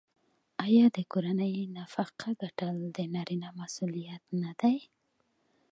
آیا د کورنۍ نفقه ګټل د نارینه مسوولیت نه دی؟